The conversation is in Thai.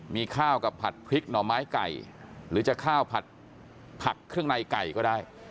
มีข้าวกับผัดพริกหน่อไม้ไก่หรือจะข้าวผัดผักเครื่องในไก่ก็ได้